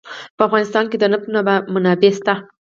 په افغانستان کې د نفت منابع شته.